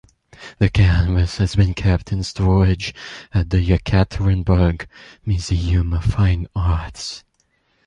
The canvas has been kept in storage at the Yekaterinburg Museum of Fine Arts.